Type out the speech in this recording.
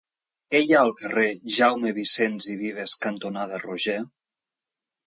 Què hi ha al carrer Jaume Vicens i Vives cantonada Roger?